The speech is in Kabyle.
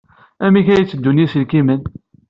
Amek ay tteddun yiselkimen?